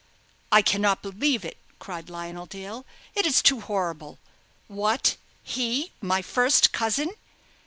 "I cannot believe it!" cried Lionel Dale; "it is too horrible. What! he, my first cousin!